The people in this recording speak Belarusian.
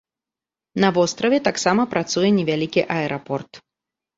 На востраве таксама працуе невялікі аэрапорт.